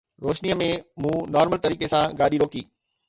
روشنيءَ ۾ مون نارمل طريقي سان گاڏي روڪي